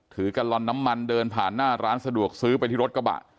กัลลอนน้ำมันเดินผ่านหน้าร้านสะดวกซื้อไปที่รถกระบะ